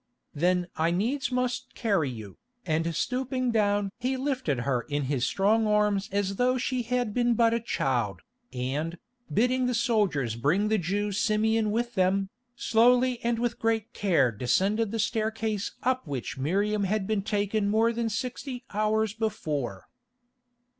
"Then I needs must carry you," and stooping down he lifted her in his strong arms as though she had been but a child, and, bidding the soldiers bring the Jew Simeon with them, slowly and with great care descended the staircase up which Miriam had been taken more than sixty hours before.